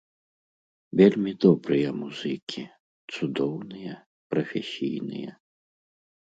Вельмі добрыя музыкі, цудоўныя, прафесійныя.